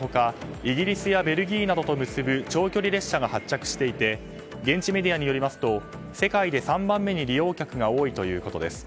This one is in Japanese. イギリスやベルギーなどと結ぶ長距離列車が発着していて現地メディアによりますと世界で３番目に利用客が多いということです。